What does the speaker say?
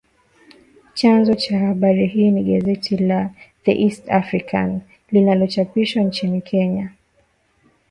Chanzo cha habari hii ni gazeti la “The East African” linalochapishwa nchini Kenya